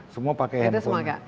semua pakai handphone